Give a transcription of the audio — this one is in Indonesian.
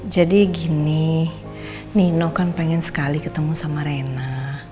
jadi gini nino kan pengen sekali ketemu sama rena